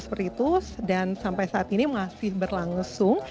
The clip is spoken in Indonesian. seperti itu dan sampai saat ini masih berlangsung